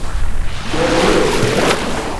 dormema